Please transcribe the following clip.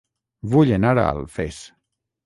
Vull anar a Alfés